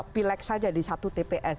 pilek saja di satu tps